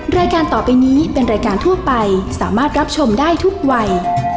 รายการต่อไปนี้เป็นรายการทั่วไปสามารถรับชมได้ทุกวัย